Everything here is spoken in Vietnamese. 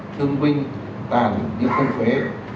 thương binh tàn như không phế